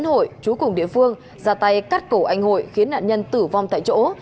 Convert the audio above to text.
hội chú cùng địa phương ra tay cắt cổ anh hội khiến nạn nhân tử vong tại chỗ